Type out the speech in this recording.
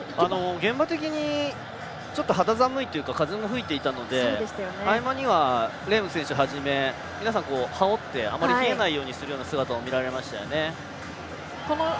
現場的に、肌寒いというか風も吹いていたので合間にはレーム選手はじめ皆さん羽織ってあまり冷えないようにする姿が見られました。